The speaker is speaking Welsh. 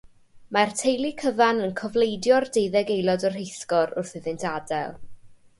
Mae'r teulu cyfan yn cofleidio'r deuddeg aelod o'r rheithgor wrth iddynt adael.